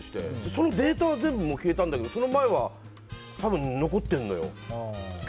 そのデータは全部消えたんだけどその前は多分、残ってるのよ。